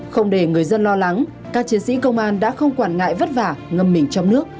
không để người dân lo lắng các chiến sĩ công an đã không quản ngại vất vả ngâm mình trong nước